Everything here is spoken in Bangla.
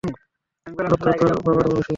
ও তো তোর বাবার বয়সী।